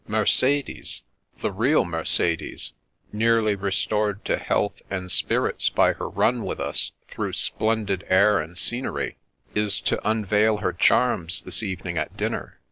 Mercedes — ^the real Mercedes — ^nearly restored to health and spirits by her run with us through splendid air and scenery, is to unveil her charms this evening at dinner.